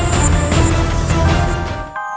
tuhan yang terbaik